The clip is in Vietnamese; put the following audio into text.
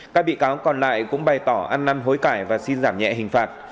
các bị cáo còn lại cũng bày tỏ ăn năn hối cải và xin giảm nhẹ hình phạt